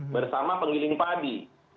bersama penggiling padi